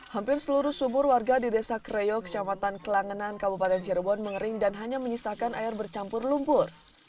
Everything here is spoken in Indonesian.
hampir seluruh sumur warga di desa kreo kecamatan kelangenan kabupaten cirebon mengering dan hanya menyisakan air bercampur lumpur